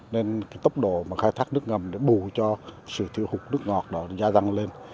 nên tốc độ khai thác nước ngầm để bù cho sự thiệu hụt nước ngọt đó gia tăng lên